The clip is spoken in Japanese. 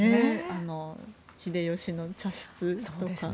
秀吉の茶室とか。